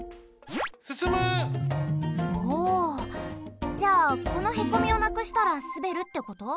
おじゃあこのへこみをなくしたらすべるってこと？